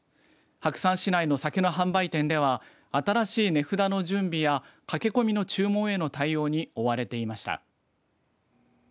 白山市内の酒の販売店では新しい値札の準備や駆け込みの注文への対応に追われていました。